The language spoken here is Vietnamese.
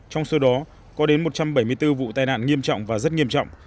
trong số đó có đến một trăm bảy mươi bốn vụ tai nạn nghiêm trọng và rất nghiêm trọng